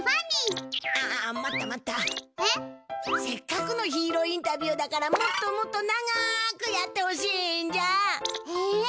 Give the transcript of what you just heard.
せっかくのヒーローインタビューだからもっともっと長くやってほしいんじゃ。え！？